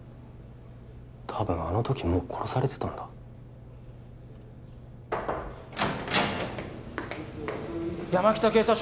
たぶんあの時もう殺されてたんだ山北警察署